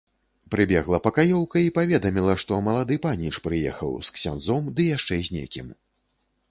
Прыбегла пакаёўка і паведаміла, што малады паніч прыехаў з ксяндзом ды яшчэ з некім.